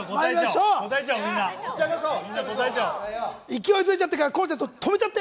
勢いづいちゃってるから、河野ちゃん止めちゃって！